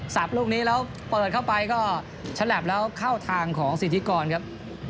ลูกนี้แล้วเปิดเข้าไปก็ฉลับแล้วเข้าทางของสิทธิกรครับ